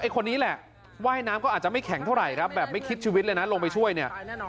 คนนี้แหละว่ายน้ำก็อาจจะไม่แข็งเท่าไหร่ครับแบบไม่คิดชีวิตเลยนะลงไปช่วยเนี่ย